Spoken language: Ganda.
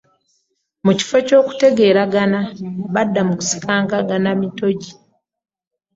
Mu kifo ky'okutegeregana, badda mu kusikangana bitoggi.